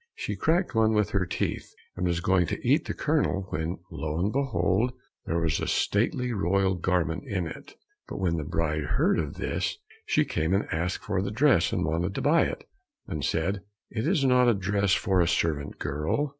She cracked one with her teeth, and was going to eat the kernel when lo and behold there was a stately royal garment in it! But when the bride heard of this she came and asked for the dress, and wanted to buy it, and said, "It is not a dress for a servant girl."